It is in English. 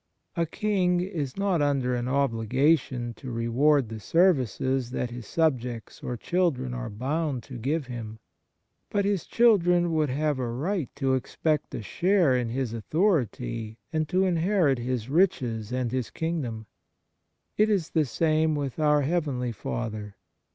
A King is not under an obligation to reward the services that his subjects or children are bound to give him; but his children would have a right to expect a share in his authority and to inherit his riches and his kingdom. It is the same with our heavenly Father.